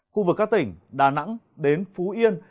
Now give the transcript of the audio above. khu vực các tỉnh đà nẵng đến phú yên